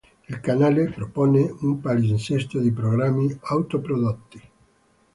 Il canale propone un palinsesto di programmi autoprodotti.